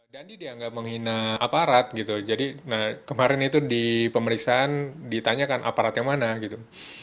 dia nggak menghina aparat gitu jadi kemarin itu di pemeriksaan ditanyakan aparat yang mana gitu